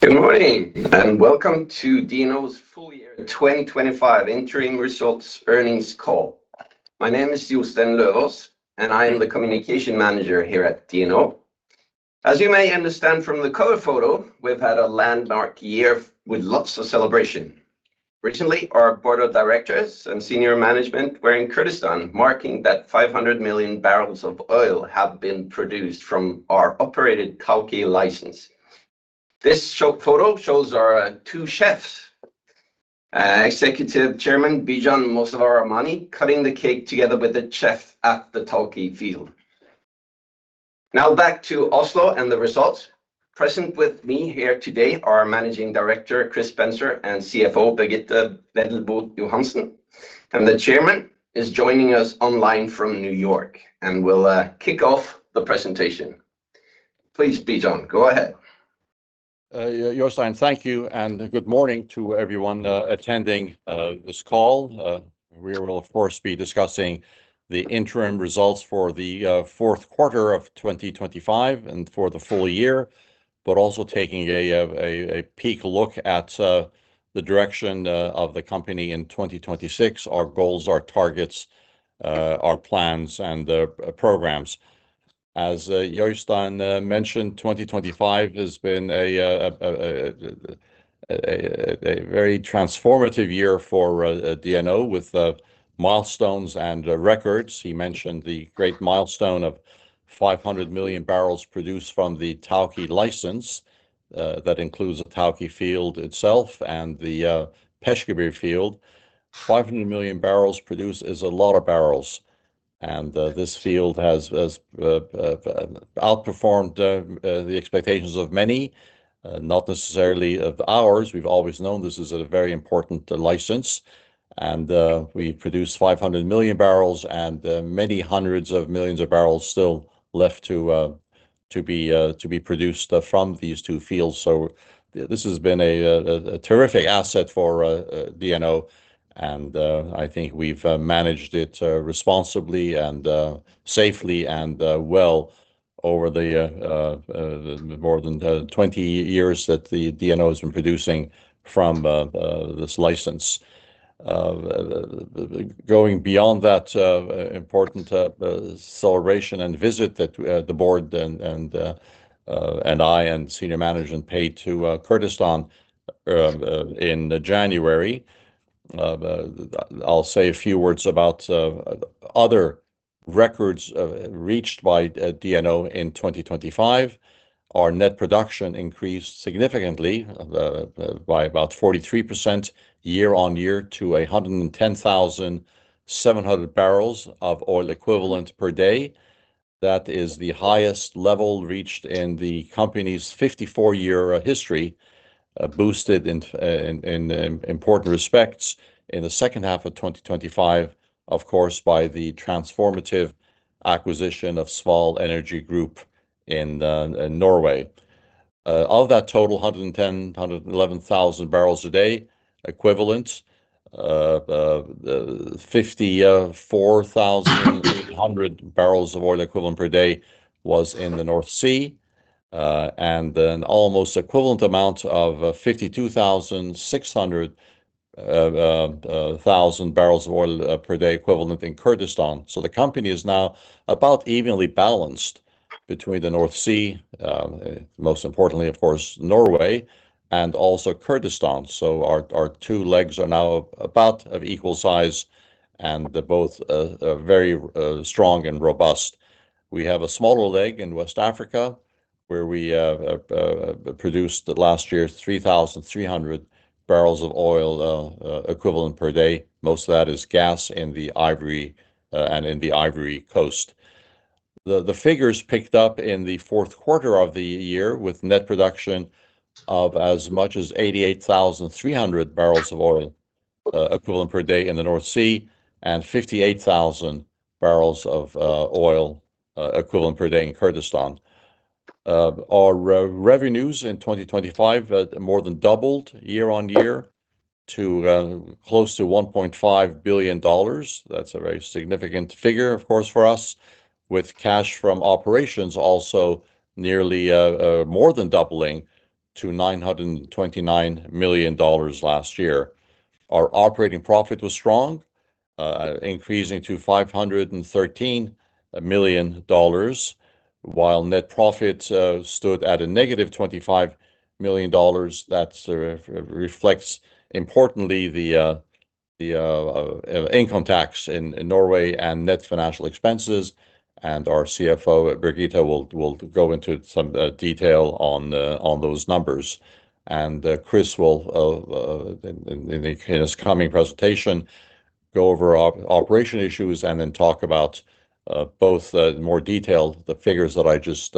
Good morning, and welcome to DNO's full year 2025 interim results earnings call. My name is Jostein Løvås, and I am the Communication Manager here at DNO. As you may understand from the cover photo, we've had a landmark year with lots of celebration. Recently, our board of directors and senior management were in Kurdistan, marking that 500 million barrels of oil have been produced from our operated Tawke license. This photo shows our two chefs, Executive Chairman, Bijan Mossavar-Rahmani, cutting the cake together with the chef at the Tawke field. Now, back to Oslo and the results. Present with me here today are our Managing Director, Chris Spencer, and CFO, Birgitte Wendelbo Johansen, and the chairman is joining us online from New York, and will kick off the presentation. Please, Bijan, go ahead. Yeah, Jostein, thank you, and good morning to everyone attending this call. We will, of course, be discussing the interim results for the fourth quarter of 2025 and for the full year, but also taking a peek look at the direction of the company in 2026, our goals, our targets, our plans, and the programs. As Jostein mentioned, 2025 has been a very transformative year for DNO with milestones and records. He mentioned the great milestone of 500 million barrels produced from the Tawke license. That includes the Tawke field itself and the Peshkabir field. 500 million barrels produced is a lot of barrels, and this field has outperformed the expectations of many, not necessarily of ours. We've always known this is a very important license, and we produced 500 million barrels, and many hundreds of millions of barrels still left to be produced from these two fields. So this has been a terrific asset for DNO, and I think we've managed it responsibly and safely and well over the more than 20 years that DNO has been producing from this license. Going beyond that, important celebration and visit that the board and I and senior management paid to Kurdistan in January. I'll say a few words about other records reached by DNO in 2025. Our net production increased significantly by about 43% year-on-year to 110,700 barrels of oil equivalent per day. That is the highest level reached in the company's 54-year history, boosted in important respects in the second half of 2025, of course, by the transformative acquisition of Sval Energy Group in Norway. Of that total, 110-111 thousand barrels a day equivalent, 54,800 barrels of oil equivalent per day was in the North Sea, and an almost equivalent amount of 52,600 barrels of oil per day equivalent in Kurdistan. So the company is now about evenly balanced between the North Sea, most importantly, of course, Norway, and also Kurdistan. So our, our two legs are now about of equal size, and they're both very strong and robust. We have a smaller leg in West Africa, where we produced last year 3,300 barrels of oil equivalent per day. Most of that is gas in the Ivory Coast. The figures picked up in the fourth quarter of the year, with net production of as much as 88,300 barrels of oil equivalent per day in the North Sea and 58,000 barrels of oil equivalent per day in Kurdistan. Our revenues in 2025 more than doubled year-on-year to close to $1.5 billion. That's a very significant figure, of course, for us, with cash from operations also nearly more than doubling to $929 million last year. Our operating profit was strong, increasing to $513 million, while net profit stood at a negative $25 million. That reflects importantly the income tax in Norway and net financial expenses, and our CFO, Birgitte, will go into some detail on those numbers. Chris will in his coming presentation go over operation issues and then talk about both more detail the figures that I just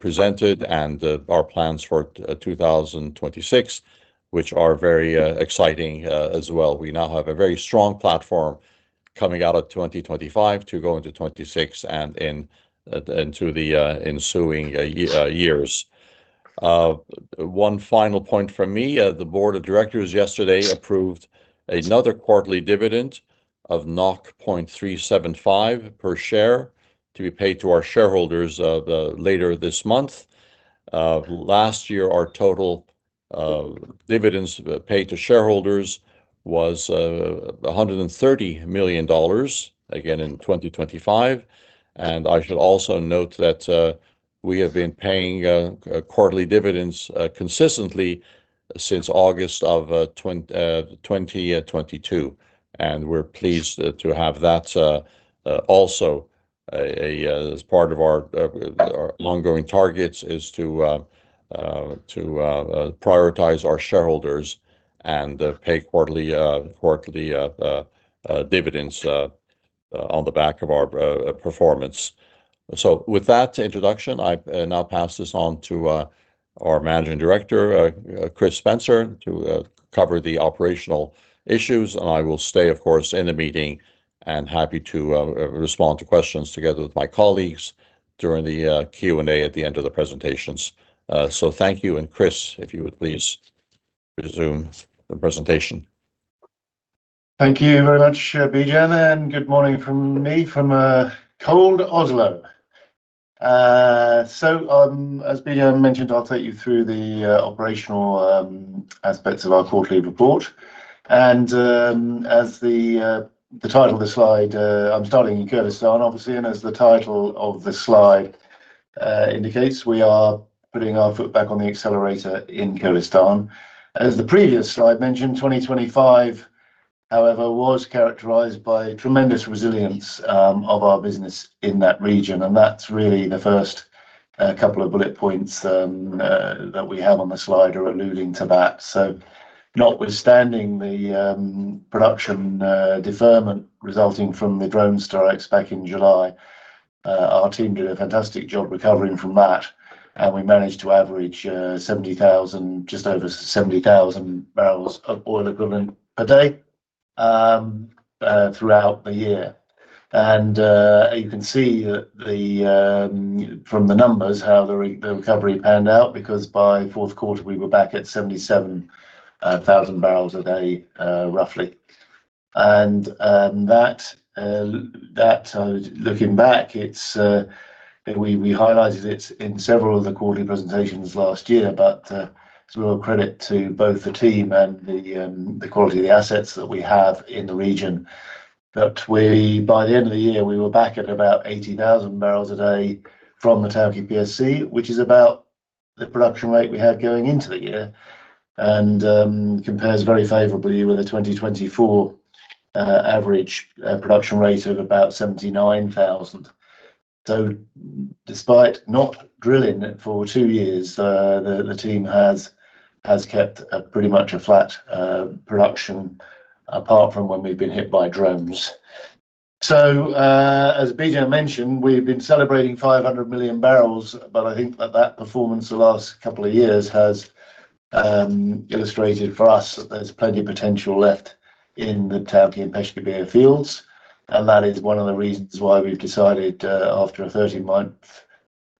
presented and our plans for 2026, which are very exciting as well. We now have a very strong platform coming out of 2025 to go into 2026 and into the ensuing years. One final point from me, the board of directors yesterday approved another quarterly dividend of 0.375 per share to be paid to our shareholders later this month. Last year, our total dividends paid to shareholders was $130 million, again in 2025. And I should also note that we have been paying quarterly dividends consistently since August of 2022, and we're pleased to have that also as part of our ongoing targets is to prioritize our shareholders and pay quarterly dividends on the back of our performance. So with that introduction, I'll now pass this on to our Managing Director, Chris Spencer, to cover the operational issues. I will stay, of course, in the meeting, and happy to respond to questions together with my colleagues during the Q&A at the end of the presentations. So thank you, and Chris, if you would please resume the presentation. Thank you very much, Bijan, and good morning from me from, cold Oslo. So, as Bijan mentioned, I'll take you through the, operational, aspects of our quarterly report. And, as the, the title of the slide, I'm starting in Kurdistan, obviously, and as the title of the slide, indicates, we are putting our foot back on the accelerator in Kurdistan. As the previous slide mentioned, 2025, however, was characterized by tremendous resilience, of our business in that region, and that's really the first, couple of bullet points, that we have on the slide are alluding to that. Notwithstanding the production deferment resulting from the drone strikes back in July, our team did a fantastic job recovering from that, and we managed to average 70,000, just over 70,000 barrels of oil equivalent per day throughout the year. You can see that from the numbers, how the recovery panned out, because by fourth quarter, we were back at 77,000 barrels a day, roughly. Looking back, it's. We highlighted it in several of the quarterly presentations last year, but it's a real credit to both the team and the quality of the assets that we have in the region. That we by the end of the year, we were back at about 80,000 barrels a day from the Tawke PSC, which is about the production rate we had going into the year, and compares very favorably with the 2024 average production rate of about 79,000. So despite not drilling for 2 years, the team has kept pretty much a flat production, apart from when we've been hit by drones. So, as Bijan mentioned, we've been celebrating 500 million barrels, but I think that performance the last couple of years has illustrated for us that there's plenty of potential left in the Tawke and Peshkabir fields, and that is one of the reasons why we've decided, after a 13-month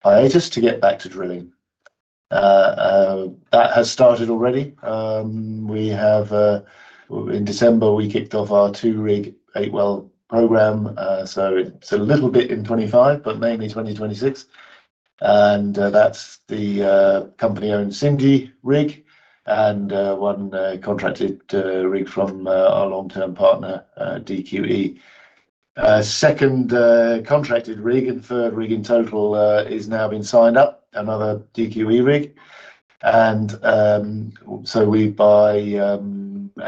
hiatus, to get back to drilling. That has started already. We have, in December, we kicked off our 2-rig, 8-well program. So it's a little bit in 2025, but mainly 2026. And that's the company-owned Sindy rig, and one contracted rig from our long-term partner DQE. Second contracted rig and third rig in total is now been signed up, another DQE rig. And so we by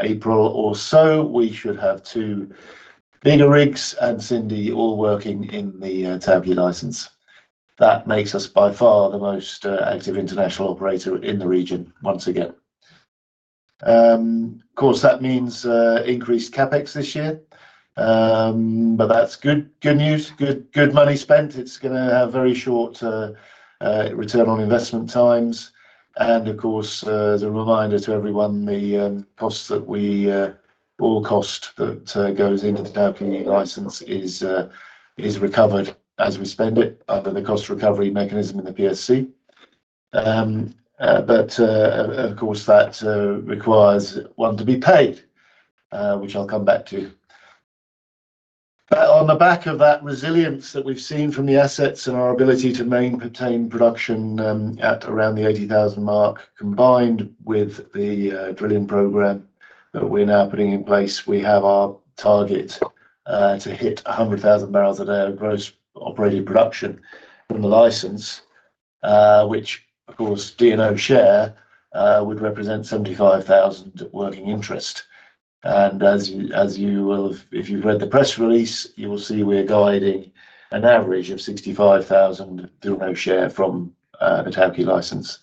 April or so, we should have two DQE rigs and Sindy all working in the Tawke license. That makes us, by far, the most active international operator in the region once again. Of course, that means increased CapEx this year. But that's good news, good money spent. It's gonna have very short return on investment times. Of course, as a reminder to everyone, the cost that goes into the Tawke license is recovered as we spend it under the cost recovery mechanism in the PSC. But of course, that requires one to be paid, which I'll come back to. But on the back of that resilience that we've seen from the assets and our ability to maintain production at around the 80,000 mark, combined with the drilling program that we're now putting in place, we have our target to hit 100,000 barrels a day of gross operating production from the license, which, of course, DNO share would represent 75,000 working interest. As you will have—if you've read the press release, you will see we're guiding an average of 65,000 DNO share from the Tawke license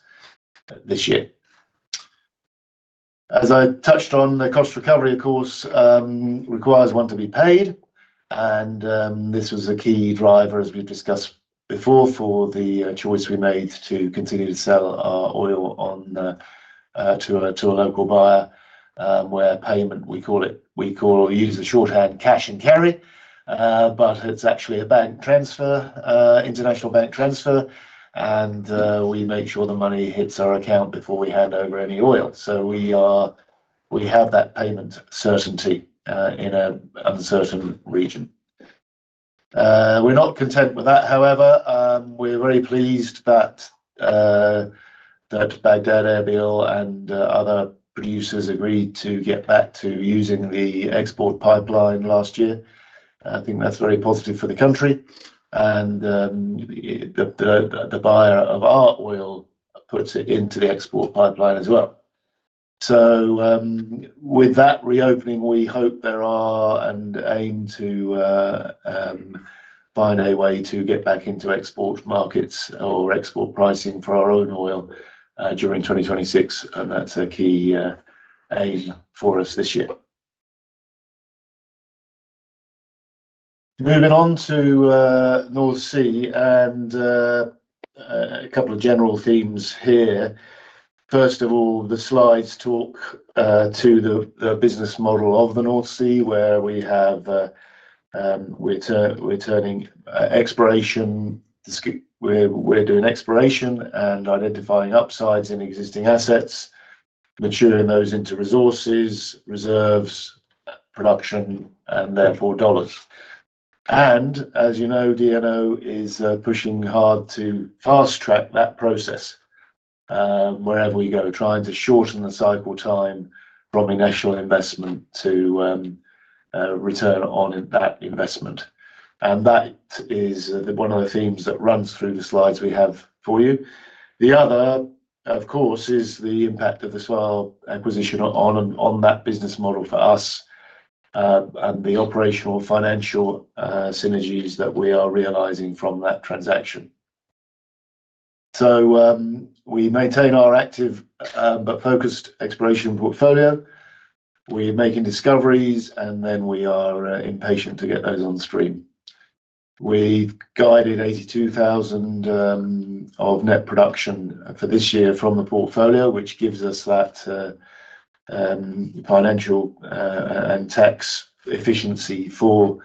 this year. As I touched on, the cost recovery, of course, requires one to be paid, and this was a key driver, as we've discussed before, for the choice we made to continue to sell our oil on to a local buyer, where payment we call it or use the shorthand cash and carry, but it's actually a bank transfer, international bank transfer, and we make sure the money hits our account before we hand over any oil. So we have that payment certainty in an uncertain region. We're not content with that, however, we're very pleased that that Baghdad, Erbil and other producers agreed to get back to using the export pipeline last year. I think that's very positive for the country, and the buyer of our oil puts it into the export pipeline as well. So, with that reopening, we hope there are, and aim to, find a way to get back into export markets or export pricing for our own oil, during 2026, and that's a key aim for us this year. Moving on to North Sea, and a couple of general themes here. First of all, the slides talk to the business model of the North Sea, where we have... We're turning exploration. We're doing exploration and identifying upsides in existing assets, maturing those into resources, reserves, production, and therefore, dollars. And as you know, DNO is pushing hard to fast track that process, wherever we go, trying to shorten the cycle time from initial investment to return on that investment. And that is one of the themes that runs through the slides we have for you. The other, of course, is the impact of the Sval acquisition on that business model for us and the operational, financial synergies that we are realizing from that transaction. So we maintain our active but focused exploration portfolio. We're making discoveries, and then we are impatient to get those on stream. We've guided 82,000 of net production for this year from the portfolio, which gives us that financial and tax efficiency for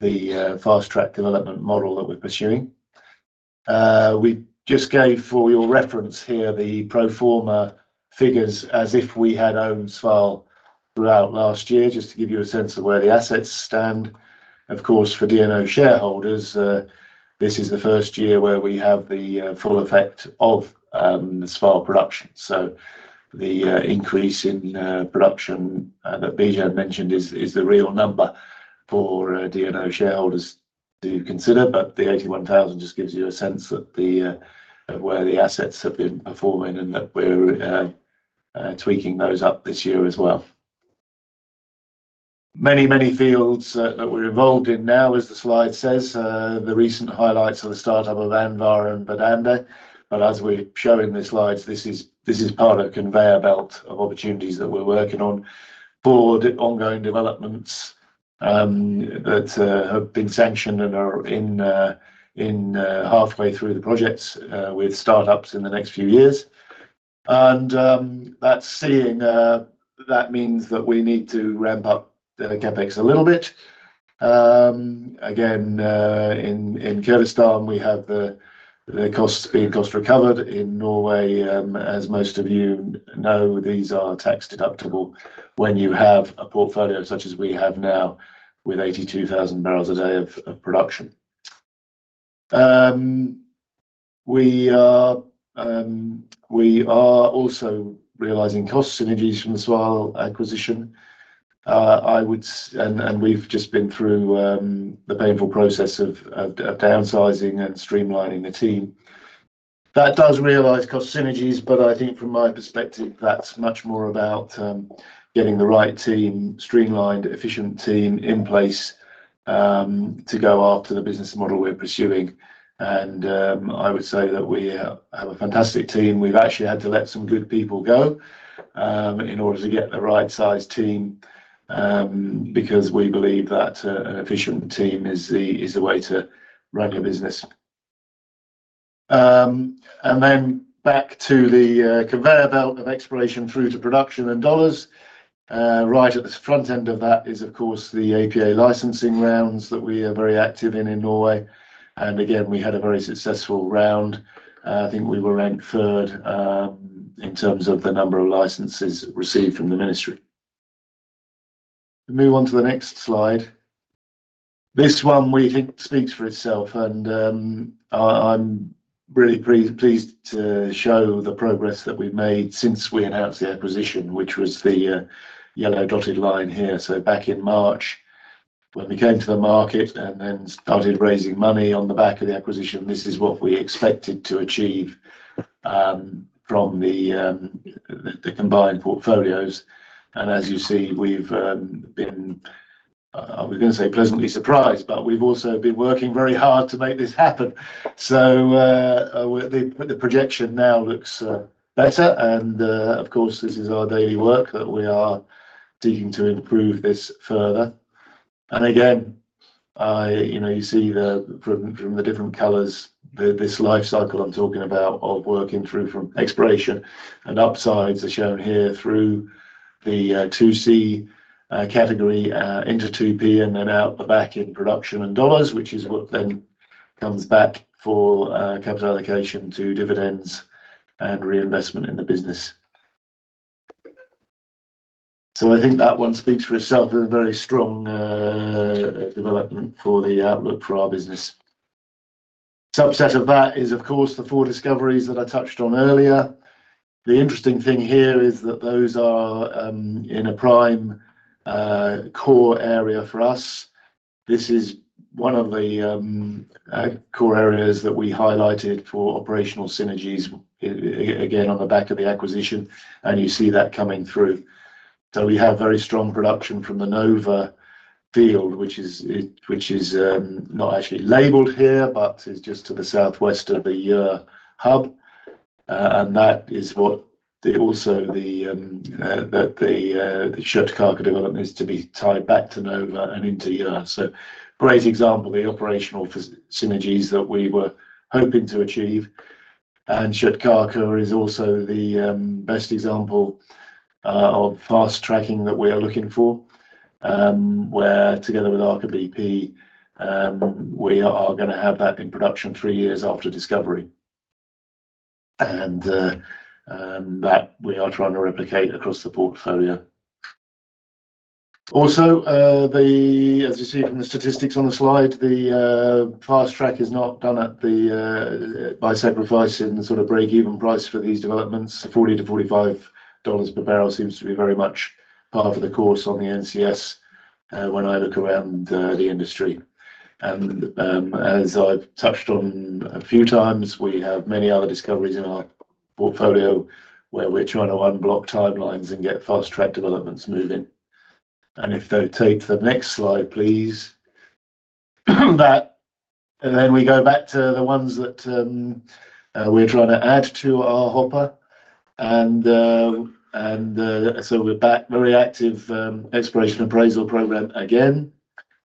the fast track development model that we're pursuing. We just gave, for your reference here, the pro forma figures as if we had owned Sval throughout last year, just to give you a sense of where the assets stand. Of course, for DNO shareholders, this is the first year where we have the full effect of the Sval production. So the increase in production that Bijan mentioned is the real number for DNO shareholders to consider, but the 81,000 just gives you a sense that the... where the assets have been performing, and that we're tweaking those up this year as well. Many, many fields that we're involved in now, as the slide says, the recent highlights are the start-up of Andvare and Berling. But as we show in the slides, this is part of a conveyor belt of opportunities that we're working on for the ongoing developments that have been sanctioned and are halfway through the projects with start-ups in the next few years. And that's seeing, that means that we need to ramp up the CapEx a little bit. Again, in Kurdistan, we have the costs being cost recovered. In Norway, as most of you know, these are tax deductible when you have a portfolio such as we have now, with 82,000 barrels a day of production. We are also realizing cost synergies from the Sval acquisition. I would say, and we've just been through the painful process of downsizing and streamlining the team. That does realize cost synergies, but I think from my perspective, that's much more about getting the right team, streamlined, efficient team in place to go after the business model we're pursuing. And I would say that we have a fantastic team. We've actually had to let some good people go in order to get the right size team because we believe that an efficient team is the way to run a business. And then back to the conveyor belt of exploration through to production and dollars. Right at the front end of that is, of course, the APA licensing rounds that we are very active in, in Norway. And again, we had a very successful round. I think we were ranked third, in terms of the number of licenses received from the ministry. Move on to the next slide. This one we think speaks for itself, and, I, I'm really pleased to show the progress that we've made since we announced the acquisition, which was the, yellow dotted line here. So back in March, when we came to the market and then started raising money on the back of the acquisition, this is what we expected to achieve, from the, the combined portfolios. And as you see, we've, been, I was gonna say pleasantly surprised, but we've also been working very hard to make this happen. So, the projection now looks better, and, of course, this is our daily work, that we are seeking to improve this further. And again, you know, you see the from the different colors, this life cycle I'm talking about, of working through from exploration, and upsides are shown here through the 2C category into 2P, and then out the back in production and dollars, which is what then comes back for capital allocation to dividends and reinvestment in the business. So I think that one speaks for itself as a very strong development for the outlook for our business. Subset of that is, of course, the four discoveries that I touched on earlier. The interesting thing here is that those are in a prime core area for us. This is one of the core areas that we highlighted for operational synergies, again, on the back of the acquisition, and you see that coming through. So we have very strong production from the Nova field, which is not actually labeled here, but is just to the southwest of the hub. And that is also what the Kjøttkake development is to be tied back to Nova and into Urd. So great example of the operational synergies that we were hoping to achieve. And Kjøttkake is also the best example of fast tracking that we are looking for, where together with Aker BP, we are gonna have that in production three years after discovery. And that we are trying to replicate across the portfolio. Also, as you see from the statistics on the slide, the fast track is not done by sacrificing the sort of break-even price for these developments. $40-$45 per barrel seems to be very much par for the course on the NCS, when I look around, the industry. And, as I've touched on a few times, we have many other discoveries in our portfolio where we're trying to unblock timelines and get fast-track developments moving. And if they take the next slide, please. That and then we go back to the ones that we're trying to add to our hopper. And, so we're back with a very active exploration appraisal program again.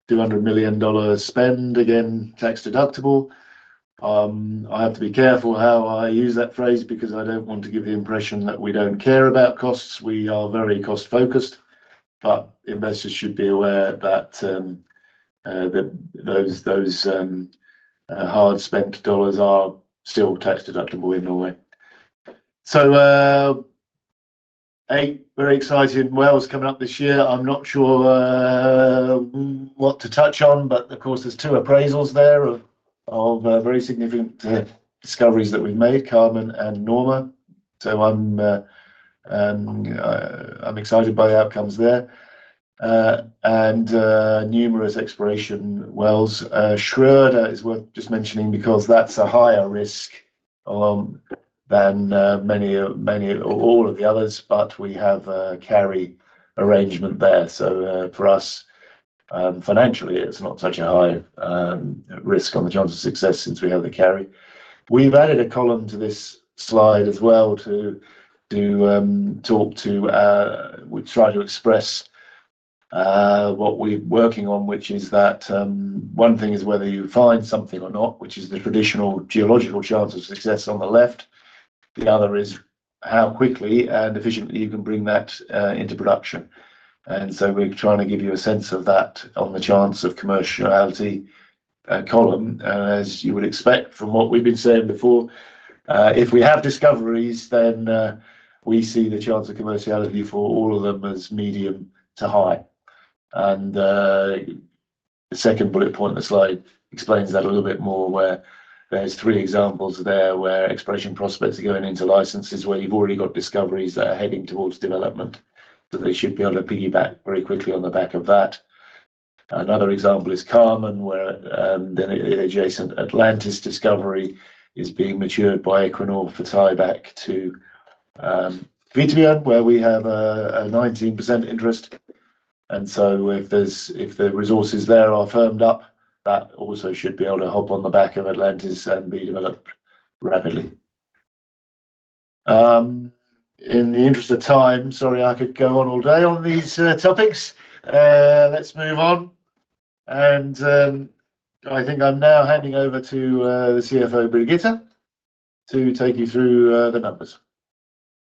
$200 million spend, again, tax-deductible. I have to be careful how I use that phrase because I don't want to give the impression that we don't care about costs. We are very cost-focused, but investors should be aware that those hard spent dollars are still tax-deductible in Norway. So, 8 very exciting wells coming up this year. I'm not sure what to touch on, but of course, there's 2 appraisals there of very significant discoveries that we've made, Carmen and Norma. So I'm excited by the outcomes there. And numerous exploration wells. Schrøder is worth just mentioning because that's a higher risk than many all of the others, but we have a carry arrangement there. So, for us, financially, it's not such a high risk on the chance of success since we have the carry. We've added a column to this slide as well to talk to. We try to express what we're working on, which is that one thing is whether you find something or not, which is the traditional geological chance of success on the left. The other is how quickly and efficiently you can bring that into production. And so we're trying to give you a sense of that on the chance of commerciality column. As you would expect from what we've been saying before, if we have discoveries, then we see the chance of commerciality for all of them as medium to high. The second bullet point in the slide explains that a little bit more, where there's three examples there, where exploration prospects are going into licenses, where you've already got discoveries that are heading towards development, that they should be able to piggyback very quickly on the back of that. Another example is Carmen, where the adjacent Atlantis discovery is being matured by Equinor for tie-back to Kvitebjørn, where we have a 19% interest. And so if the resources there are firmed up, that also should be able to hop on the back of Atlantis and be developed rapidly. In the interest of time, sorry, I could go on all day on these topics. Let's move on. I think I'm now handing over to the CFO, Birgitte, to take you through the numbers.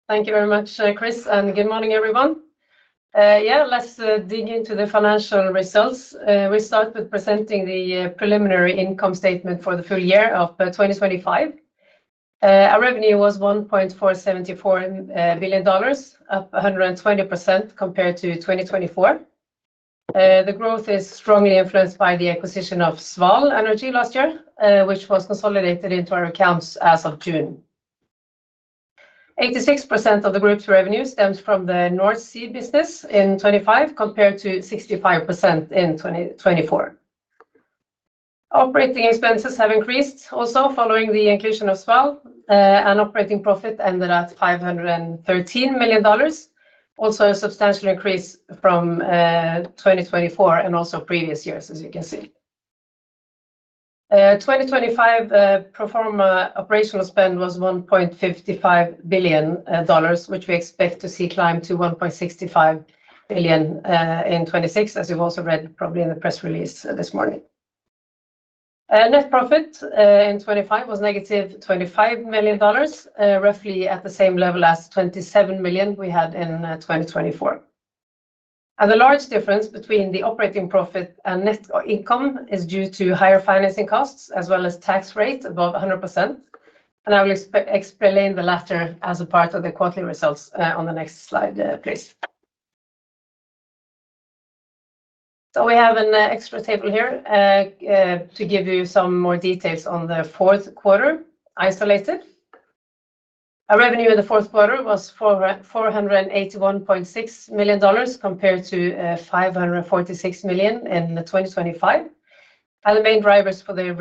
Thank you very much, Chris, and good morning, everyone. Yeah, let's dig into the financial results. We start with presenting the preliminary income statement for the full year of 2025. Our revenue was $1.474 billion, up 120% compared to 2024. The growth is strongly influenced by the acquisition of Sval Energy last year, which was consolidated into our accounts as of June. 86% of the group's revenue stems from the North Sea business in 2025, compared to 65% in 2024. Operating expenses have increased, also following the inclusion of Sval, and operating profit ended at $513 million. Also, a substantial increase from 2024 and also previous years, as you can see. 2025 pro forma operational spend was $1.55 billion, which we expect to see climb to $1.65 billion in 2026, as you've also read probably in the press release this morning. Net profit in 2025 was negative $25 million, roughly at the same level as $27 million we had in 2024. The large difference between the operating profit and net income is due to higher financing costs, as well as tax rate above 100%. I will explain the latter as a part of the quarterly results on the next slide, please. We have an extra table here to give you some more details on the fourth quarter isolated. Our revenue in the fourth quarter was $481.6 million, compared to $546 million in 2025. The main drivers for the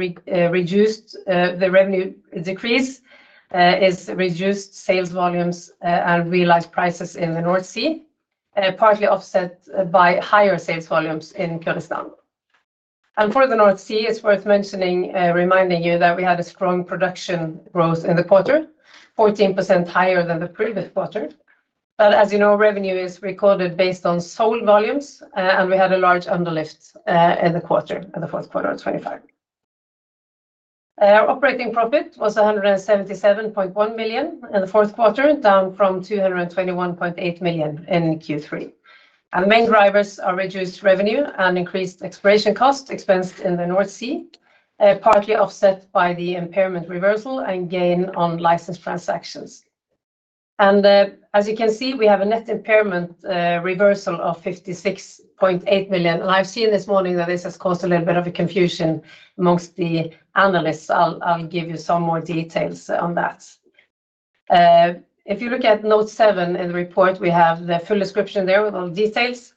revenue decrease is reduced sales volumes and realized prices in the North Sea, partly offset by higher sales volumes in Kurdistan. For the North Sea, it's worth mentioning, reminding you that we had a strong production growth in the quarter, 14% higher than the previous quarter. As you know, revenue is recorded based on sold volumes, and we had a large underlift in the quarter, in the fourth quarter of 2025. Operating profit was $177.1 million in the fourth quarter, down from $221.8 million in Q3. The main drivers are reduced revenue and increased exploration costs expensed in the North Sea, partly offset by the impairment reversal and gain on license transactions. As you can see, we have a net impairment reversal of $56.8 million. I've seen this morning that this has caused a little bit of a confusion among the analysts. I'll give you some more details on that. If you look at note 7 in the report, we have the full description there with all the details.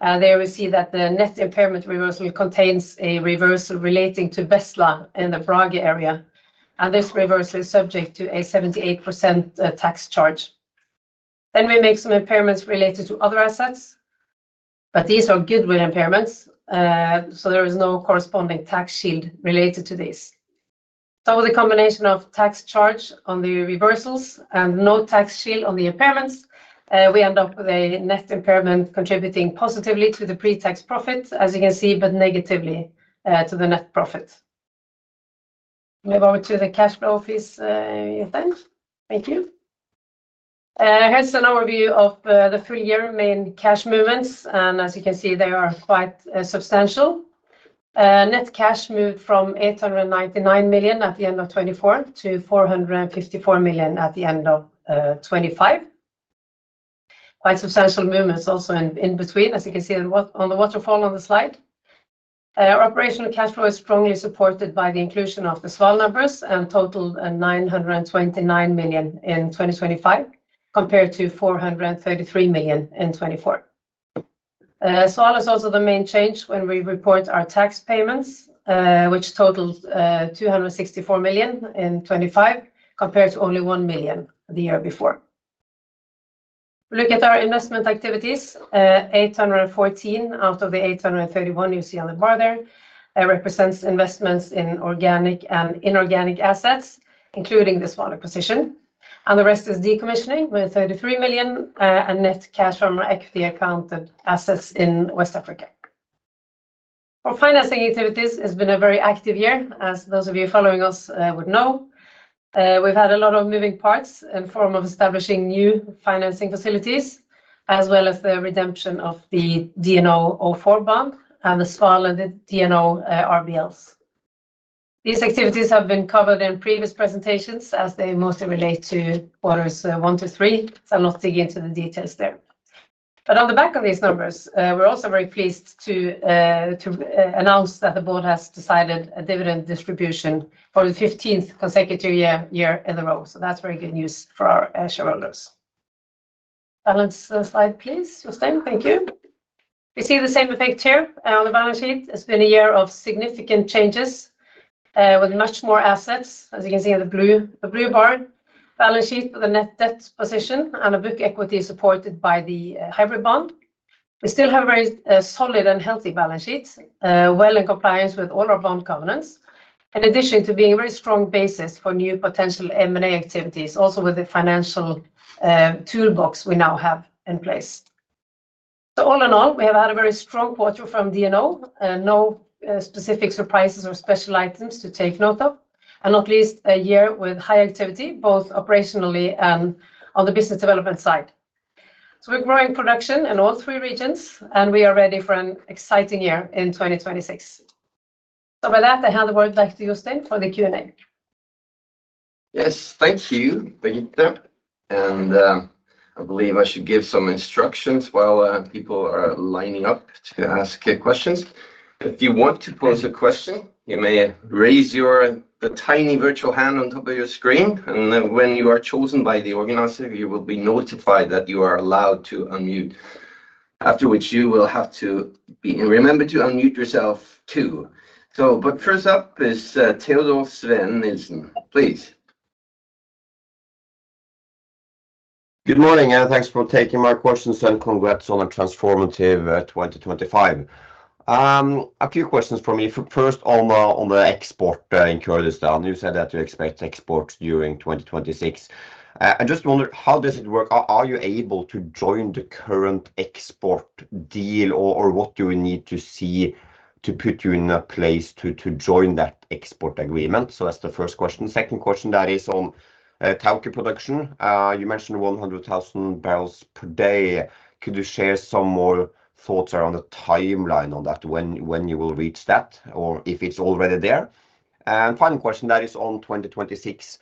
There we see that the net impairment reversal contains a reversal relating to Bestla in the Brage area, and this reversal is subject to a 78% tax charge. Then we make some impairments related to other assets, but these are goodwill impairments, so there is no corresponding tax shield related to this. The combination of tax charge on the reversals and no tax shield on the impairments, we end up with a net impairment contributing positively to the pre-tax profit, as you can see, but negatively to the net profit. Move over to the cash flow, please, Jostein. Thank you. Here's an overview of the full year main cash movements, and as you can see, they are quite substantial. Net cash moved from $899 million at the end of 2024 to $454 million at the end of 2025. Quite substantial movements also in between, as you can see on the waterfall on the slide. Operational cash flow is strongly supported by the inclusion of the Sval numbers and total $929 million in 2025, compared to $433 million in 2024. Sval is also the main change when we report our tax payments, which totaled $264 million in 2025, compared to only $1 million the year before. If we look at our investment activities, 814 out of the 831 you see on the bar there represents investments in organic and inorganic assets, including the Sval acquisition. And the rest is decommissioning, with $33 million, and net cash from our equity-accounted assets in West Africa. For financing activities, it's been a very active year, as those of you following us would know. We've had a lot of moving parts in form of establishing new financing facilities, as well as the redemption of the DNO04 bond and the Sval and the DNO RBLs. These activities have been covered in previous presentations, as they mostly relate to quarters 1 to 3, so I'll not dig into the details there. But on the back of these numbers, we're also very pleased to, to, announce that the board has decided a dividend distribution for the fifteenth consecutive year, year in a row. So that's very good news for our shareholders. Balance the slide, please, Jostein. Thank you. We see the same effect here on the balance sheet. It's been a year of significant changes, with much more assets, as you can see in the blue, the blue bar. Balance sheet with a net debt position and a book equity supported by the hybrid bond. We still have a very solid and healthy balance sheet, well in compliance with all our bond covenants, in addition to being a very strong basis for new potential M&A activities, also with the financial toolbox we now have in place. So all in all, we have had a very strong quarter from DNO. No specific surprises or special items to take note of, and not least, a year with high activity, both operationally and on the business development side. So we're growing production in all three regions, and we are ready for an exciting year in 2026. So with that, I hand over back to Jostein for the Q&A. Yes, thank you, Birgitte. I believe I should give some instructions while people are lining up to ask questions. If you want to pose a question, you may raise your, the tiny virtual hand on top of your screen, and then when you are chosen by the organizer, you will be notified that you are allowed to unmute, after which you will have to be remember to unmute yourself, too. So but first up is Teodor Sveen-Nilsen. Please. Good morning, and thanks for taking my questions, and congrats on a transformative 2025. A few questions for me. First, on the export there in Kurdistan, you said that you expect exports during 2026. I just wonder, how does it work? Are you able to join the current export deal, or what do we need to see to put you in a place to join that export agreement? So that's the first question. Second question, that is on Tawke production. You mentioned 100,000 barrels per day. Could you share some more thoughts around the timeline on that, when you will reach that, or if it's already there? And final question, that is on 2026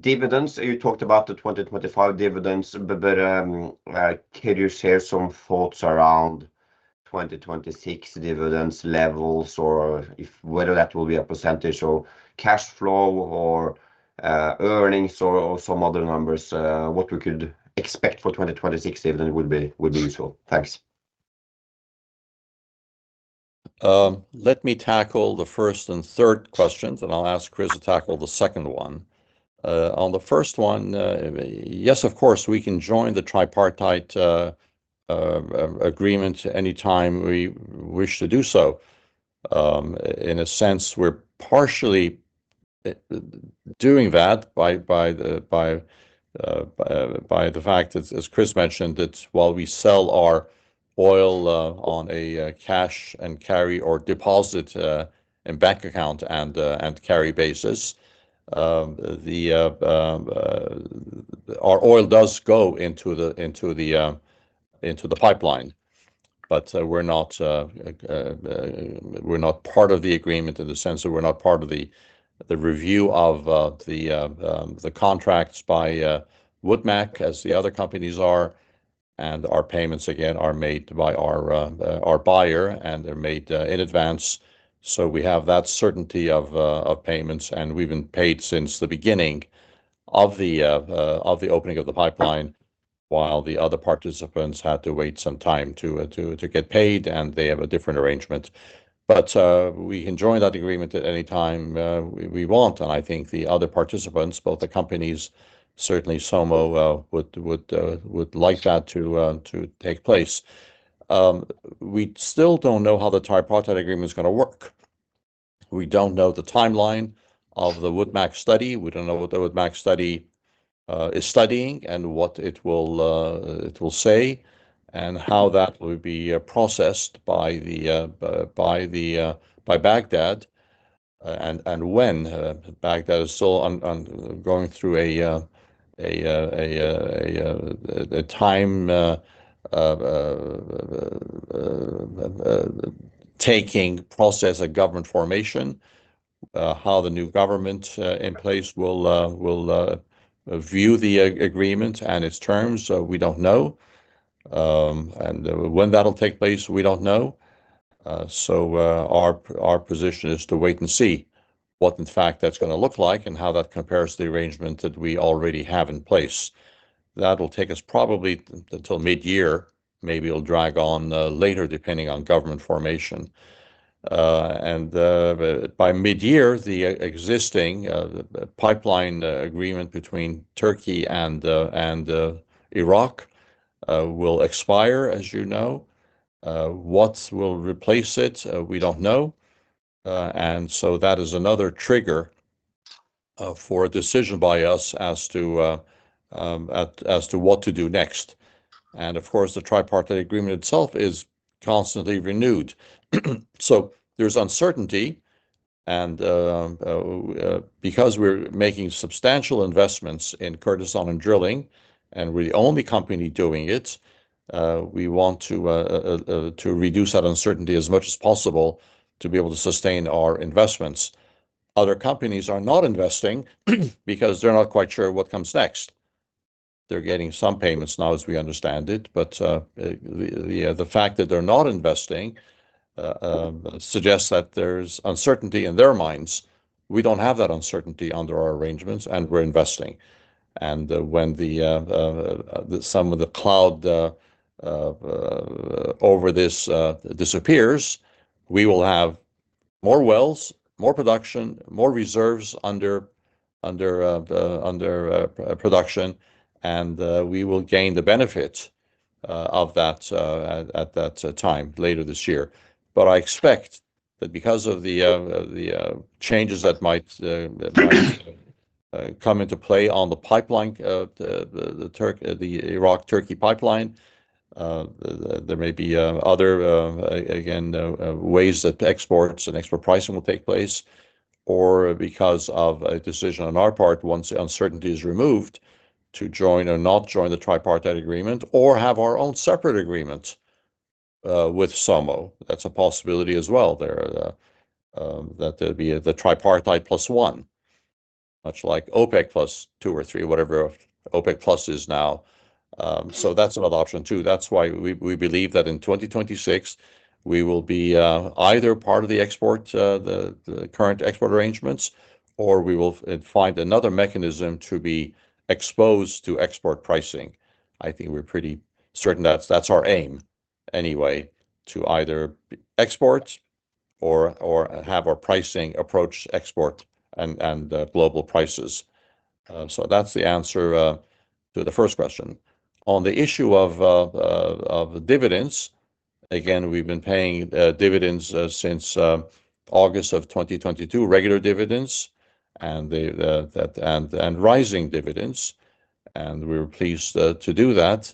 dividends. You talked about the 2025 dividends, but can you share some thoughts around 2026 dividends levels, or if whether that will be a percentage, or cash flow, or earnings, or some other numbers, what we could expect for 2026 dividend would be useful. Thanks. Let me tackle the first and third questions, and I'll ask Chris to tackle the second one. On the first one, yes, of course, we can join the tripartite agreement anytime we wish to do so. In a sense, we're partially doing that by the fact that, as Chris mentioned, that while we sell our oil on a cash-and-carry or deposit in bank account and carry basis, our oil does go into the pipeline. But, we're not part of the agreement in the sense that we're not part of the review of the contracts by Woodmac, as the other companies are, and our payments, again, are made by our buyer, and they're made in advance. So we have that certainty of payments, and we've been paid since the beginning of the opening of the pipeline, while the other participants had to wait some time to get paid, and they have a different arrangement. But, we can join that agreement at any time we want, and I think the other participants, both the companies, certainly SOMO, would like that to take place. We still don't know how the tripartite agreement is gonna work. We don't know the timeline of the Woodmac study. We don't know what the Woodmac study is studying, and what it will say, and how that will be processed by Baghdad, and when Baghdad is still going through a time of taking process of government formation. How the new government in place will view the agreement and its terms, we don't know. And when that'll take place, we don't know. So, our position is to wait and see what in fact that's gonna look like, and how that compares to the arrangement that we already have in place. That will take us probably till mid-year, maybe it'll drag on later, depending on government formation. By mid-year, the existing pipeline agreement between Turkey and Iraq will expire, as you know. What will replace it? We don't know. So that is another trigger for a decision by us as to what to do next. Of course, the tripartite agreement itself is constantly renewed. So there's uncertainty, and because we're making substantial investments in Kurdistan and drilling, and we're the only company doing it, we want to reduce that uncertainty as much as possible to be able to sustain our investments. Other companies are not investing, because they're not quite sure what comes next. They're getting some payments now, as we understand it, but the fact that they're not investing suggests that there's uncertainty in their minds. We don't have that uncertainty under our arrangements, and we're investing. And when some of the cloud over this disappears, we will have more wells, more production, more reserves under production, and we will gain the benefit of that at that time, later this year. But I expect that because of the changes that might come into play on the pipeline, the Iraq-Turkey pipeline, there may be other ways again that exports and export pricing will take place, or because of a decision on our part, once the uncertainty is removed, to join or not join the tripartite agreement or have our own separate agreement with SOMO. That's a possibility as well there, that there'd be the tripartite plus one, much like OPEC plus two or three, whatever OPEC plus is now. So that's another option too. That's why we believe that in 2026, we will be either part of the export, the current export arrangements, or we will find another mechanism to be exposed to export pricing. I think we're pretty certain that's our aim anyway, to either export or have our pricing approach export and global prices. So that's the answer to the first question. On the issue of dividends, again, we've been paying dividends since August of 2022, regular dividends and rising dividends, and we were pleased to do that.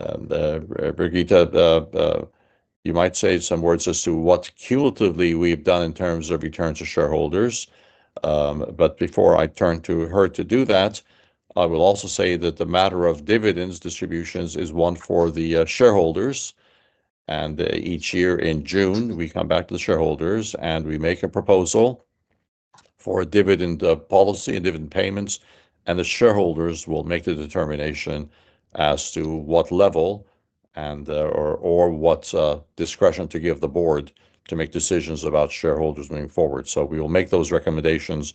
Birgitte, you might say some words as to what cumulatively we've done in terms of returns to shareholders. But before I turn to her to do that, I will also say that the matter of dividends distributions is one for the shareholders, and each year in June, we come back to the shareholders, and we make a proposal for a dividend policy and dividend payments, and the shareholders will make the determination as to what level and or what discretion to give the board to make decisions about shareholders moving forward. So we will make those recommendations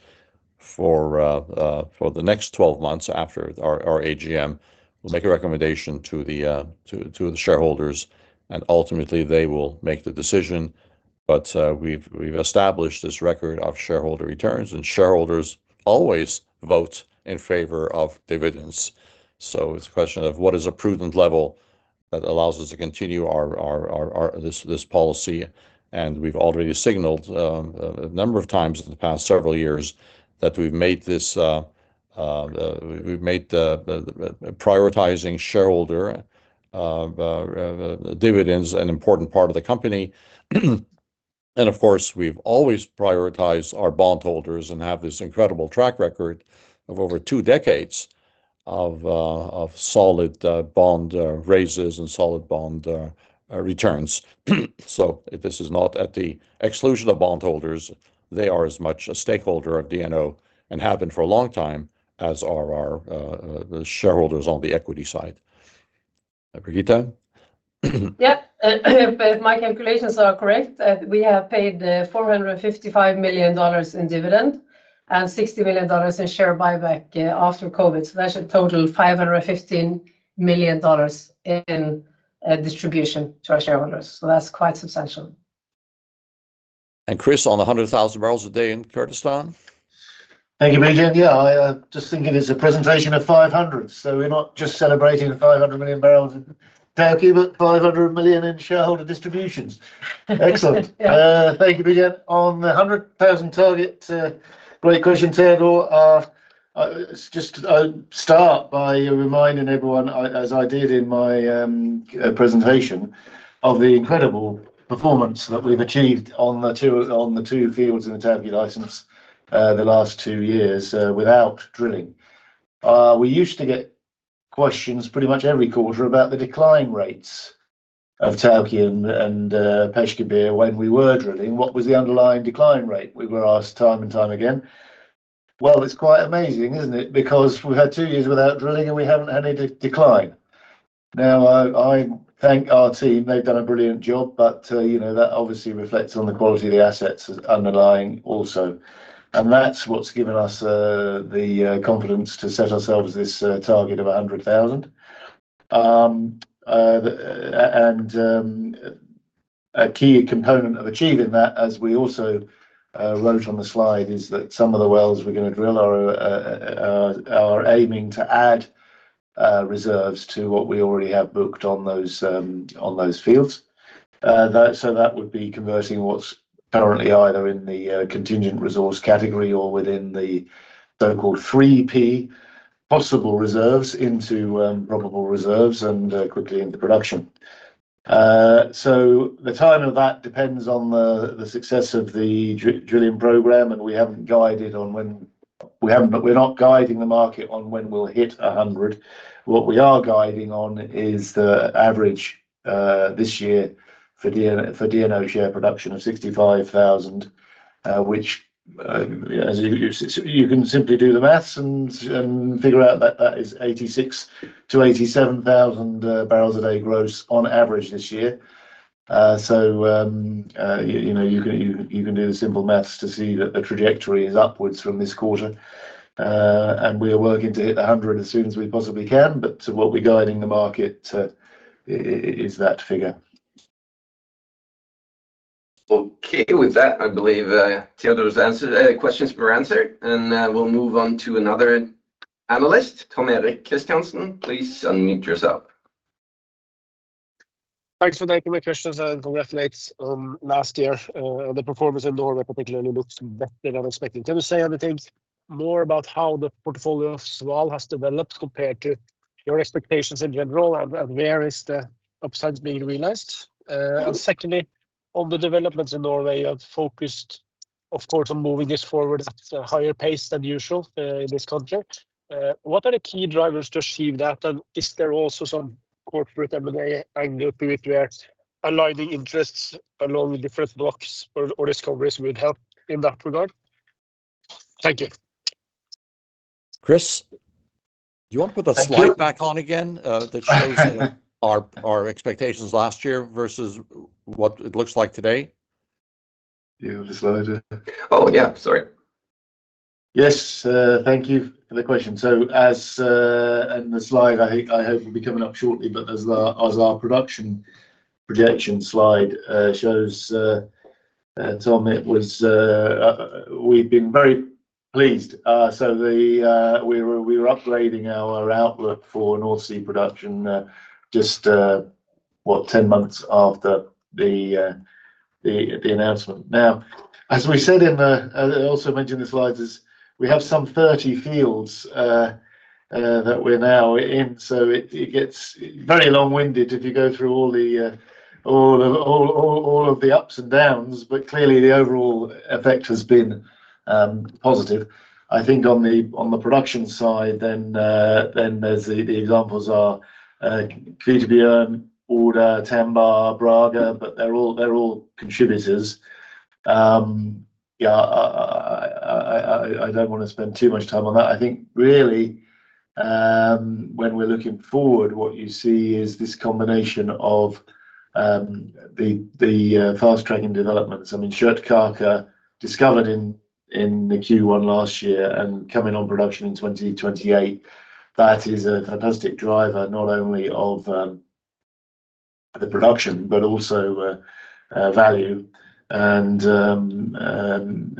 for the next 12 months after our AGM. We'll make a recommendation to the shareholders, and ultimately they will make the decision. But we've established this record of shareholder returns, and shareholders always vote in favor of dividends. So it's a question of what is a prudent level that allows us to continue our policy, and we've already signaled a number of times in the past several years that we've made prioritizing shareholder dividends an important part of the company. And of course, we've always prioritized our bondholders and have this incredible track record of over two decades of solid bond raises and solid bond returns. So this is not at the exclusion of bondholders. They are as much a stakeholder of DNO, and have been for a long time, as are our shareholders on the equity side. Birgitte? Yeah, if my calculations are correct, we have paid $455 million in dividend and $60 million in share buyback after COVID. So that's a total $515 million in distribution to our shareholders, so that's quite substantial. Chris, on the 100,000 barrels a day in Kurdistan? Thank you, Birgitte. Yeah, I just think it is a presentation of 500, so we're not just celebrating the 500 million barrels in Tawke, but $500 million in shareholder distributions. Excellent. Yeah. Thank you, Birgitte. On the 100,000 target, great question, Teodor. Just I'll start by reminding everyone, as I did in my presentation, of the incredible performance that we've achieved on the two, on the two fields in the Tawke license, the last two years, without drilling. We used to get questions pretty much every quarter about the decline rates of Tawke and Peshkabir when we were drilling. "What was the underlying decline rate?" we were asked time and time again. Well, it's quite amazing, isn't it? Because we've had two years without drilling, and we haven't had any decline. Now, I thank our team. They've done a brilliant job, but, you know, that obviously reflects on the quality of the assets underlying also, and that's what's given us the confidence to set ourselves this target of 100,000. And a key component of achieving that, as we also wrote on the slide, is that some of the wells we're gonna drill are aiming to add reserves to what we already have booked on those fields. That so that would be converting what's currently either in the contingent resource category or within the so-called 3P possible reserves into probable reserves and quickly into production. So the time of that depends on the success of the drilling program, and we haven't guided on when we haven't. But we're not guiding the market on when we'll hit 100. What we are guiding on is the average this year for DNO, for DNO's share production of 65,000, which as you can simply do the maths and figure out that that is 86,000-87,000 barrels a day gross on average this year. So you know you can do the simple maths to see that the trajectory is upwards from this quarter. And we are working to hit 100 as soon as we possibly can, but what we're guiding the market is that figure. Okay. With that, I believe, Teodor's questions were answered, and, we'll move on to another analyst. Tom Erik Kristiansen, please unmute yourself. Thanks for taking my questions, and congrats on last year. The performance in Norway particularly looks better than expected. Can you say anything more about how the portfolio as a whole has developed compared to your expectations in general, and, and where is the upside being realized? And secondly, on the developments in Norway, you have focused, of course, on moving this forward at a higher pace than usual, in this context. What are the key drivers to achieve that, and is there also some corporate M&A angle to it, where aligning interests along the different blocks or, or discoveries would help in that regard? Thank you. Chris, do you want to put the slide back on again, that shows our expectations last year versus what it looks like today? Yeah, the slide. Oh, yeah. Sorry. Yes, thank you for the question. So as, and the slide, I hope will be coming up shortly, but as the, as our production projection slide, shows, Tom, it was... We've been very pleased. So the, we were, we were upgrading our outlook for North Sea production, just... what, 10 months after the, the, the, the announcement. Now, as we said in the, I also mentioned the slides is we have some 30 fields, that we're now in. So it, it gets very long-winded if you go through all the, all, all, all of the ups and downs, but clearly, the overall effect has been, positive. I think on the production side, then, then there's the examples are, Kvitebjørn, Oda, Tambar, Brage, but they're all, they're all contributors. Yeah, I don't wanna spend too much time on that. I think really, when we're looking forward, what you see is this combination of the fast-tracking developments. I mean, Kjøttkake, discovered in the Q1 last year and coming on production in 2028, that is a fantastic driver, not only of the production, but also value. And, and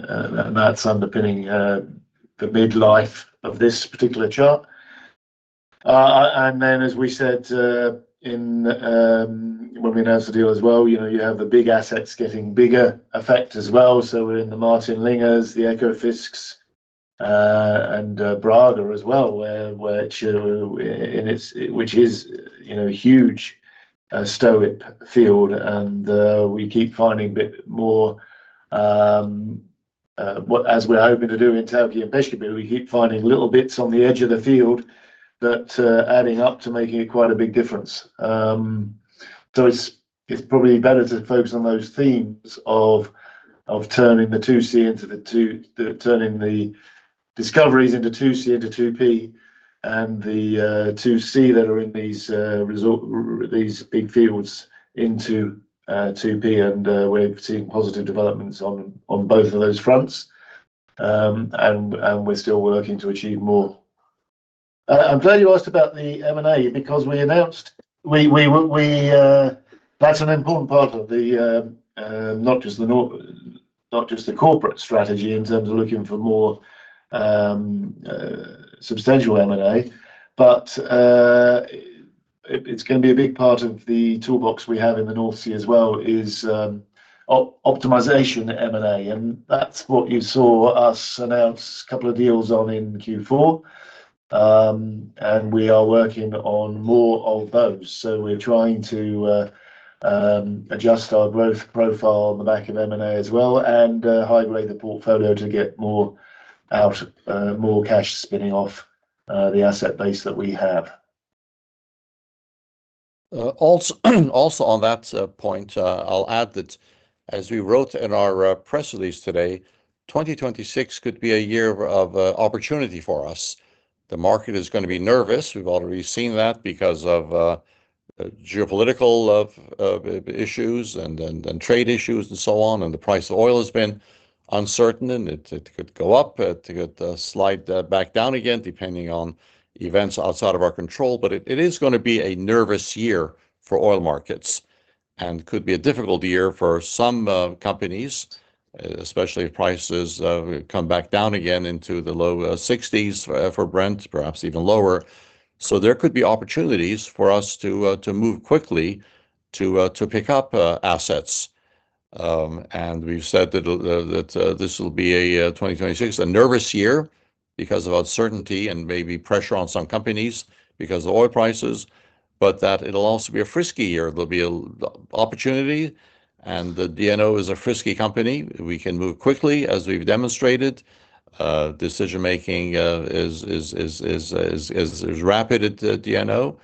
that's underpinning the midlife of this particular chart. And then, as we said, in when we announced the deal as well, you know, you have the big assets getting bigger effect as well. We're in the Martin Linge, the Ekofisk, and Brage as well, which is, you know, a huge, stoic field, and we keep finding a bit more, what as we're hoping to do in Turkey. Basically, we keep finding little bits on the edge of the field that are adding up to making it quite a big difference. It's probably better to focus on those themes of turning the 2C into the two—turning the discoveries into 2C, into 2P, and the 2C that are in these resources, these big fields, into 2P, and we're seeing positive developments on both of those fronts. We're still working to achieve more. I'm glad you asked about the M&A because we announced. That's an important part of the not just the corporate strategy in terms of looking for more substantial M&A, but it's gonna be a big part of the toolbox we have in the North Sea as well, optimization M&A, and that's what you saw us announce a couple of deals on in Q4. And we are working on more of those. So we're trying to adjust our growth profile on the back of M&A as well, and hydrate the portfolio to get more out, more cash spinning off the asset base that we have. Also on that point, I'll add that as we wrote in our press release today, 2026 could be a year of opportunity for us. The market is gonna be nervous. We've already seen that because of geopolitical issues, and trade issues, and so on, and the price of oil has been uncertain, and it could go up, it could slide back down again, depending on events outside of our control. But it is gonna be a nervous year for oil markets and could be a difficult year for some companies, especially if prices come back down again into the low 60s for Brent, perhaps even lower. So there could be opportunities for us to move quickly, to pick up assets. And we've said that this will be a 2026, a nervous year because of uncertainty and maybe pressure on some companies because of oil prices, but that it'll also be a frisky year. There'll be an opportunity, and the DNO is a frisky company. We can move quickly, as we've demonstrated. Decision-making is rapid at the DNO.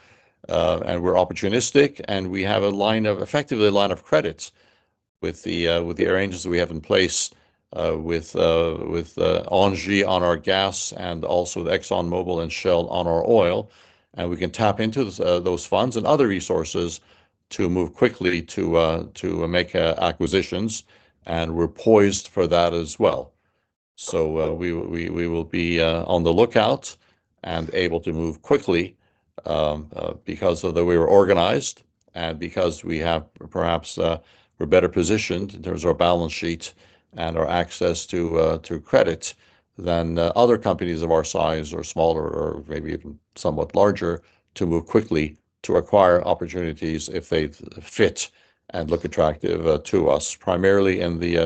And we're opportunistic, and we have a line of... Effectively, a line of credits with the arrangers we have in place, with Engie on our gas and also with ExxonMobil and Shell on our oil, and we can tap into those funds and other resources to move quickly to make acquisitions, and we're poised for that as well. We will be on the lookout and able to move quickly because of the way we're organized and because we have perhaps we're better positioned in terms of our balance sheet and our access to credit than other companies of our size, or smaller, or maybe even somewhat larger, to move quickly to acquire opportunities if they fit and look attractive to us, primarily in the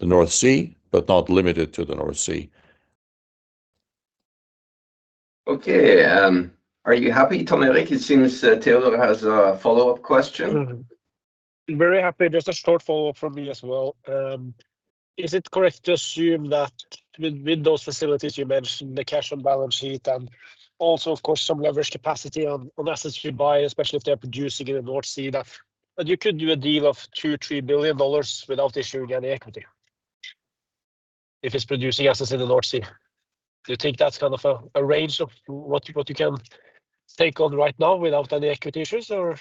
North Sea, but not limited to the North Sea. Okay, are you happy, Tom Erik? It seems, Teodor has a follow-up question. Very happy. Just a short follow-up from me as well. Is it correct to assume that with those facilities you mentioned, the cash on balance sheet, and also, of course, some leverage capacity on assets you buy, especially if they're producing in the North Sea, that you could do a deal of $2-$3 billion without issuing any equity, if it's producing assets in the North Sea? Do you think that's kind of a range of what you can take on right now without any equity issues, or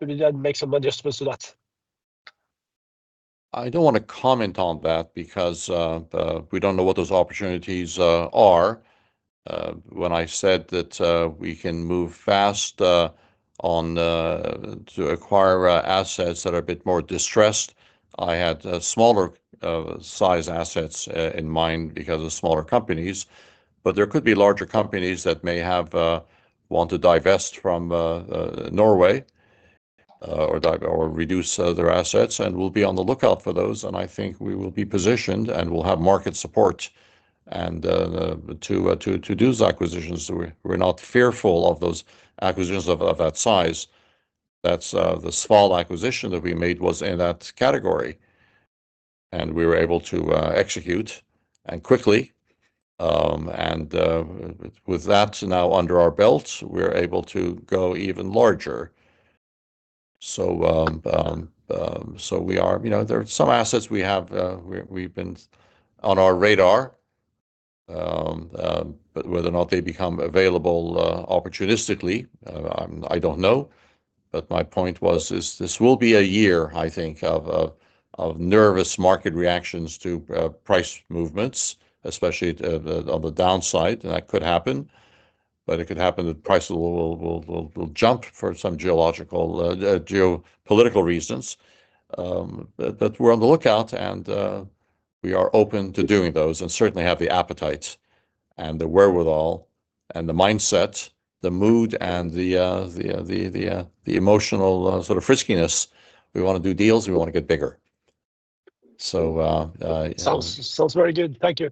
would you then make some adjustments to that? I don't wanna comment on that because we don't know what those opportunities are. When I said that, we can move fast on to acquire assets that are a bit more distressed. I had smaller size assets in mind because of the smaller companies, but there could be larger companies that may want to divest from Norway, or divest or reduce their assets, and we'll be on the lookout for those, and I think we will be positioned, and we'll have market support. And to do those acquisitions, we're not fearful of those acquisitions of that size. That's the small acquisition that we made was in that category, and we were able to execute and quickly. And with that now under our belt, we're able to go even larger. So, so we are. You know, there are some assets we have, we, we've been on our radar. But whether or not they become available opportunistically, I don't know, but my point was, is this will be a year, I think, of nervous market reactions to price movements, especially on the downside, and that could happen. But it could happen that prices will jump for some geological, geopolitical reasons. But we're on the lookout, and we are open to doing those and certainly have the appetite and the wherewithal and the mindset, the mood, and the emotional sort of friskiness. We wanna do deals, we wanna get bigger. So, Sounds, sounds very good. Thank you.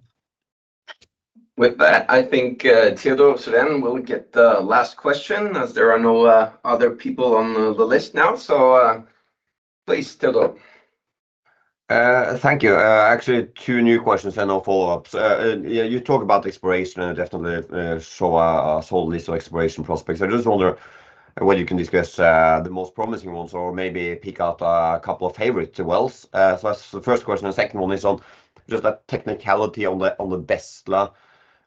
With that, I think, Teodor Sveen-Nilsen will get the last question, as there are no other people on the list now. So, please, Teodor Sveen-Nilsen. Thank you. Actually, two new questions and no follow-ups. Yeah, you talk about exploration and definitely show a solid list of exploration prospects. I just wonder whether you can discuss the most promising ones or maybe pick out a couple of favorite wells. So that's the first question, and the second one is on just a technicality on the Bestla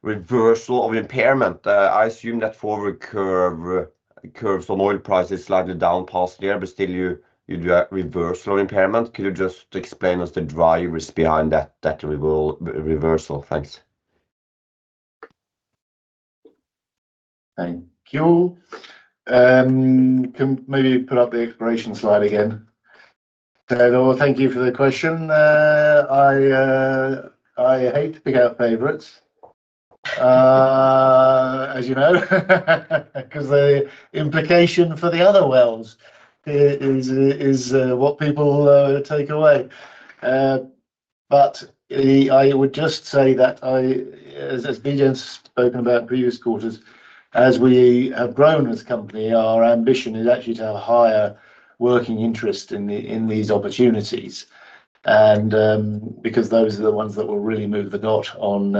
reversal of impairment. I assume that forward curve curves on oil prices slightly down past year, but still you do a reversal impairment. Could you just explain us the drivers behind that reversal? Thanks. Thank you. Can maybe you put up the exploration slide again? Teodor, thank you for the question. I hate to pick out favorites, as you know, 'cause the implication for the other wells is what people take away. But I would just say that I, as Birgitte spoken about previous quarters, as we have grown as a company, our ambition is actually to have a higher working interest in these opportunities, and because those are the ones that will really move the dot on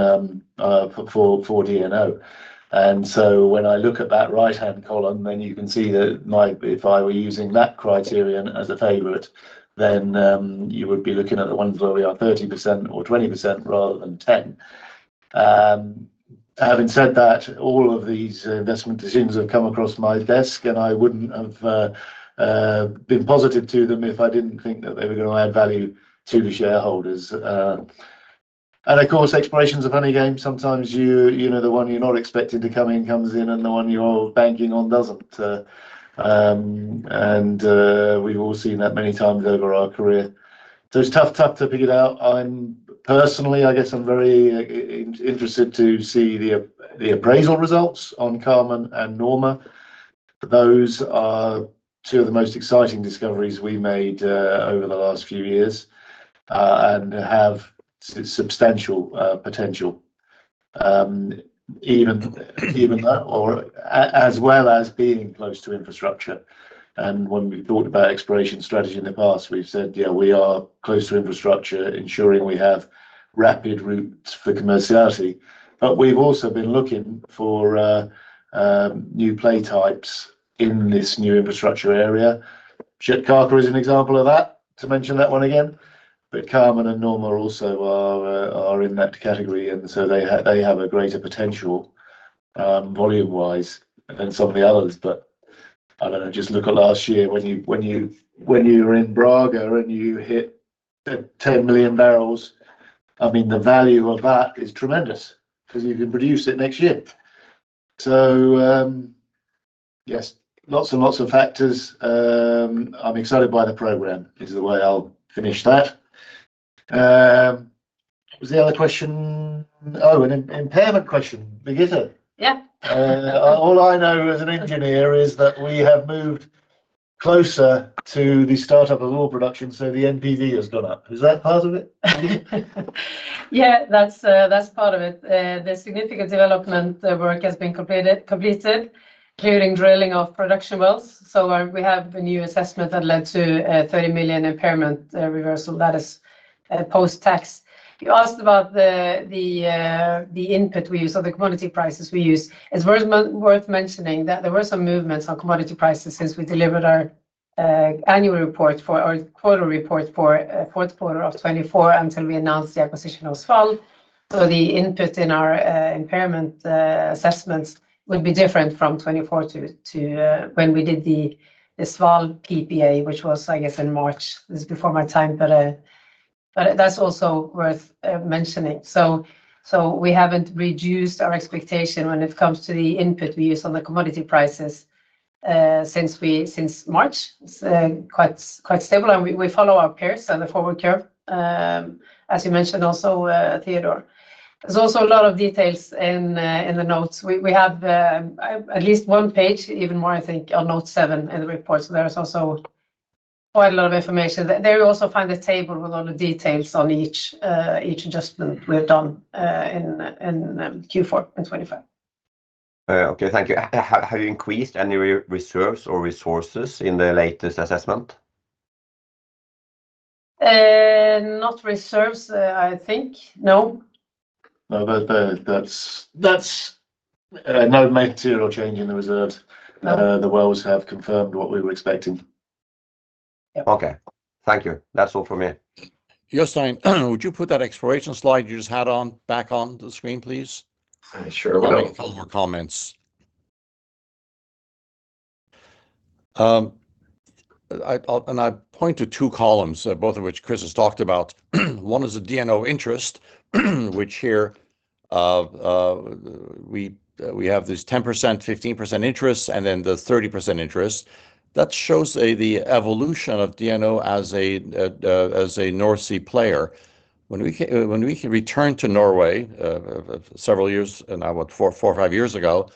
for DNO. And so when I look at that right-hand column, then you can see that my... if I were using that criterion as a favorite, then you would be looking at the ones where we are 30% or 20% rather than 10%. Having said that, all of these investment decisions have come across my desk, and I wouldn't have been positive to them if I didn't think that they were gonna add value to the shareholders. Of course, exploration's a funny game. Sometimes you know, the one you're not expecting to come in, comes in, and the one you're banking on doesn't. We've all seen that many times over our career. So it's tough to figure it out. Personally, I guess I'm very interested to see the appraisal results on Carmen and Norma. Those are two of the most exciting discoveries we made over the last few years, and have substantial potential. Even, even that or as well as being close to infrastructure, and when we've thought about exploration strategy in the past, we've said, "Yeah, we are close to infrastructure, ensuring we have rapid routes for commerciality." But we've also been looking for new play types in this new infrastructure area. Kjøttkake is an example of that, to mention that one again. But Carmen and Norma also are in that category, and so they have a greater potential, volume-wise, than some of the others. But I don't know, just look at last year when you were in Brage and you hit 10 million barrels, I mean, the value of that is tremendous because you can produce it next year. So, yes, lots and lots of factors. I'm excited by the program, is the way I'll finish that. Was the other question. Oh, an impairment question, Birgitte? Yeah. All I know as an engineer is that we have moved closer to the startup of oil production, so the NPV has gone up. Is that part of it? Yeah, that's, that's part of it. The significant development work has been completed, completed, including drilling of production wells. So we, we have a new assessment that led to a $30 million impairment reversal that is, post-tax. You asked about the, the, the input we use or the commodity prices we use. It's worth mentioning that there were some movements on commodity prices since we delivered our, annual report for... our quarter report for, fourth quarter of 2024, until we announced the acquisition of Sval. So the input in our, impairment, assessments will be different from 2024 to, to, when we did the, the Sval PPA, which was, I guess, in March. This is before my time, but, But that's also worth mentioning. So we haven't reduced our expectation when it comes to the input we use on the commodity prices since March. It's quite stable, and we follow our peers on the forward curve, as you mentioned also, Teodor. There's also a lot of details in the notes. We have at least one page, even more I think, on note seven in the report. So there is also quite a lot of information. There, you'll also find a table with all the details on each adjustment we've done in Q4 in 2025. Okay, thank you. Have you increased any reserves or resources in the latest assessment? Not reserves, I think. No. No, but that's no material change in the reserves. No. The wells have confirmed what we were expecting. Yeah. Okay. Thank you. That's all from me. Jostein, would you put that exploration slide you just had on, back onto the screen, please? Uh, sure. I'll make a couple more comments. I point to two columns, both of which Chris has talked about. One is the DNO interest, which here we have this 10%, 15% interest, and then the 30% interest. That shows the evolution of DNO as a North Sea player. When we returned to Norway several years, four or five years ago,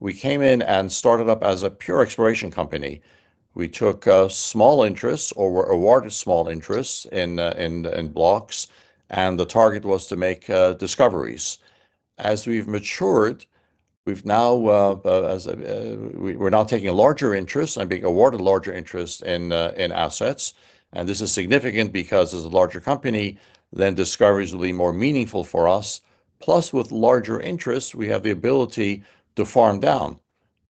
we came in and started up as a pure exploration company. We took small interests or were awarded small interests in blocks, and the target was to make discoveries. As we've matured, we're now taking a larger interest and being awarded larger interest in assets. And this is significant because as a larger company, then discoveries will be more meaningful for us. Plus, with larger interests, we have the ability to farm down,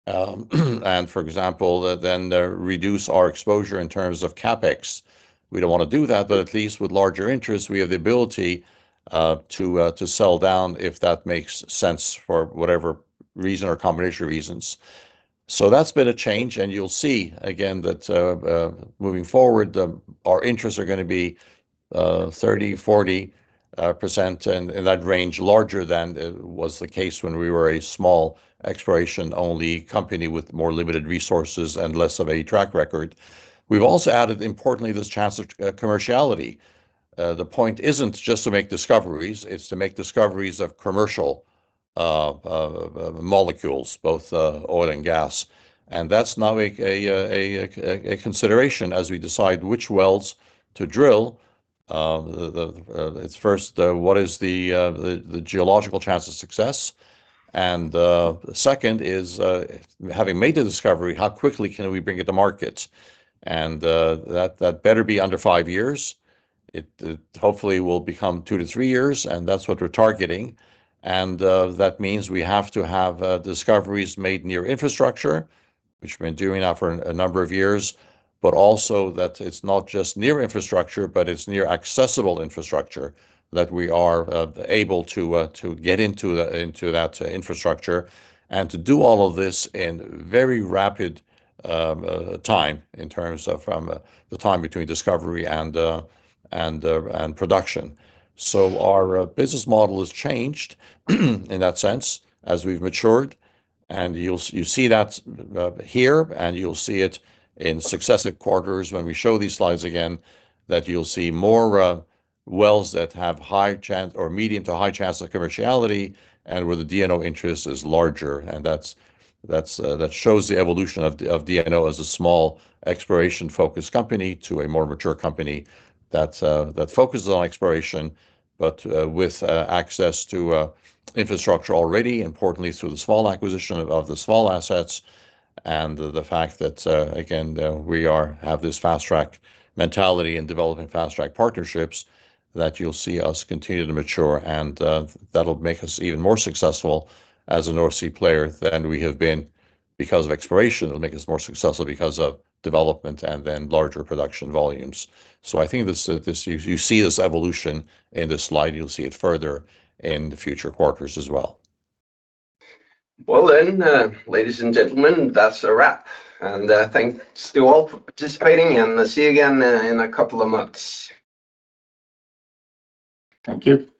and, for example, then, reduce our exposure in terms of CapEx. We don't wanna do that, but at least with larger interests, we have the ability, to, to sell down, if that makes sense, for whatever reason or combination of reasons. So that's been a change, and you'll see again, that, moving forward, our interests are gonna be, 30%-40%, in, in that range, larger than, was the case when we were a small exploration-only company with more limited resources and less of a track record. We've also added, importantly, this chance of, commerciality. The point isn't just to make discoveries, it's to make discoveries of commercial molecules, both oil and gas. And that's now a consideration as we decide which wells to drill. It's first, what is the geological chance of success? And second is, having made the discovery, how quickly can we bring it to market? And that better be under five years. It hopefully will become two to three years, and that's what we're targeting. And that means we have to have discoveries made near infrastructure, which we've been doing now for a number of years, but also that it's not just near infrastructure, but it's near accessible infrastructure, that we are able to get into that infrastructure. And to do all of this in very rapid time, in terms of the time between discovery and production. So our business model has changed, in that sense, as we've matured, and you'll see that here, and you'll see it in successive quarters when we show these slides again, that you'll see more wells that have high chance or medium to high chance of commerciality, and where the DNO interest is larger. And that shows the evolution of DNO as a small exploration-focused company to a more mature company that focuses on exploration, but with access to infrastructure already, importantly, through the small acquisition of the small assets and the fact that, again, we have this fast-track mentality in developing fast-track partnerships, that you'll see us continue to mature. And that'll make us even more successful as a North Sea player than we have been because of exploration. It'll make us more successful because of development and then larger production volumes. So I think this you see this evolution in this slide, you'll see it further in the future quarters as well. Well, then, ladies and gentlemen, that's a wrap, and thanks to you all for participating, and see you again in a couple of months. Thank you.